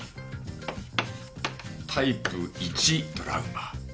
タイプ１トラウマ。